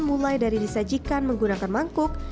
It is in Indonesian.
mulai dari disajikan menggunakan mangkuk